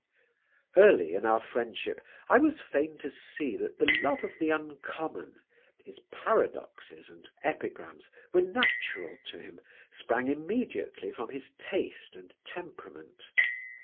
Early in our friendship I was fain to see that the love of the uncommon, his paradoxes and epigrams were natural to him, sprang immediately from his taste and temperament.